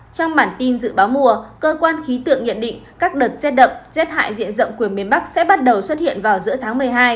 trong bản tin dự báo mùa cơ quan khí tượng nhận định các đợt rét đậm rét hại diện rộng của miền bắc sẽ bắt đầu xuất hiện vào giữa tháng một mươi hai